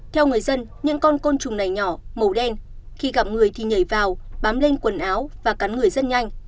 theo người dân những con côn trùng này nhỏ màu đen khi gặp người thì nhảy vào bám lên quần áo và cắn người rất nhanh